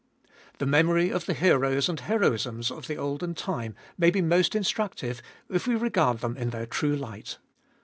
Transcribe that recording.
The memory of the heroes and heroisms of the olden time may be most instructive, if we regard them in their true light.